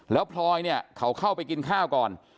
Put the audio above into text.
แล้วพลอยเนี่ยเขาเข้าไปกินข้าวก่อน